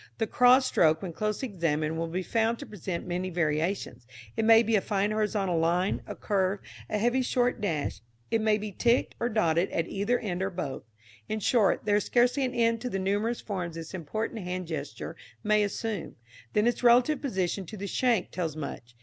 The cross stroke when closely examined will be found to present many variations. It may be a fine horizontal line, a curve, a heavy short dash; it may be ticked or dotted at either end or both in short, there is scarcely an end to the numerous forms this important hand gesture may assume. Then its relative position to the shank tells much.